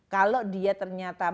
kalau dia ternyata